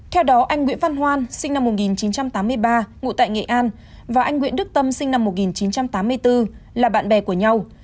theo đó anh nguyễn văn hoan sinh năm một nghìn chín trăm tám mươi ba ngụ tại nghệ an và anh nguyễn đức tâm sinh năm một nghìn chín trăm tám mươi bốn là bạn bè của nhau